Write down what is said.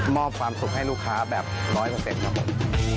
มอบความสุขให้ลูกค้าแบบ๑๐๐ครับผม